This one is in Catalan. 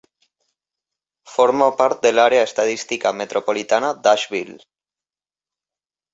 Forma part de l'Àrea Estadística Metropolitana d'Asheville.